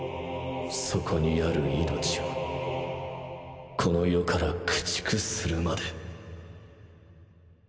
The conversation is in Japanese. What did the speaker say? そこにある命をこの世から駆逐するまで。